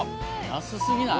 安すぎない？